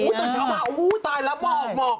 ตอนเช้ามาตายแล้วหมอก